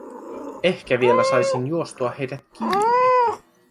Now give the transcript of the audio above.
Ehkä vielä saisin juostua heidät kiinni.